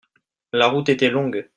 la route était longue.